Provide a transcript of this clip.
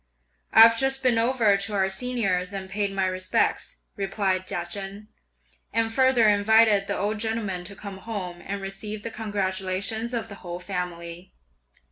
"I've just been over to our Senior's and paid my respects," replied Chia Chen, "and further invited the old gentleman to come home, and receive the congratulations of the whole family.